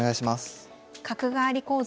角換わり講座